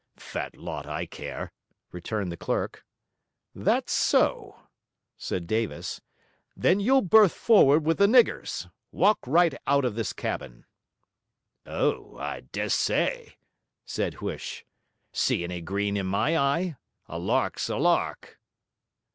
'Fat lot I care,' returned the clerk. 'That so?' said Davis. 'Then you'll berth forward with the niggers! Walk right out of this cabin.' 'Oh, I dessay!' said Huish. 'See any green in my eye? A lark's a lark.'